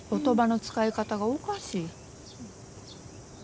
言葉の遣い方がおかしい。